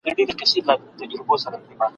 د کوترو له کهاله، په یوه شان یو !.